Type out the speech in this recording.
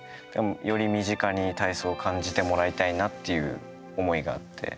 より身近に体操を感じてもらいたいなっていう思いがあって。